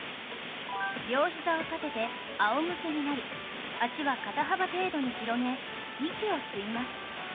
両ひざを立てて仰向けになり脚は肩幅程度に広げ息を吸います